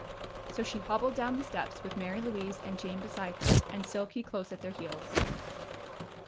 So she hobbled down the steps with Mary Louise and Jane beside her and Silky close at their heels.